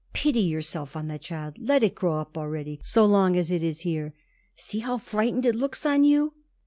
"Pity yourself on the child. Let it grow up already so long as it is here. See how frightened it looks on you."